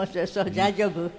大丈夫？